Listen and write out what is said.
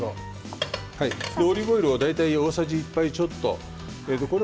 オリーブオイルは大さじ１杯ちょっとです。